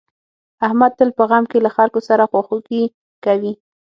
احمد تل په غم کې له خلکو سره خواخوږي کوي.